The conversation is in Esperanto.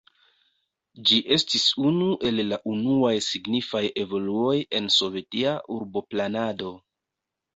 Ĝi estis unu el la unuaj signifaj evoluoj en sovetia urboplanado.